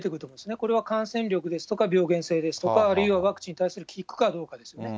これは感染力ですとか、病原性ですとか、あるいはワクチンに対して効くかどうかですね。